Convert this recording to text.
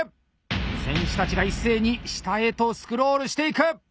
選手たちが一斉に下へとスクロールしていく！